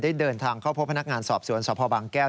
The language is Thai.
ได้เดินทางเข้าพบพนักงานสอบสวนสพบางแก้ว